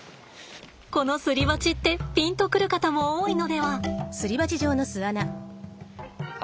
このすり鉢ってピンと来る方も多いのでは？